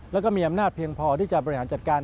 แล้วก็มีอำนาจเพียงพอที่จะบริหารจัดการ